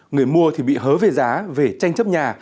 người mua thì bị hớ về giá về tranh chấp nhà